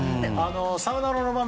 サヨナラの場面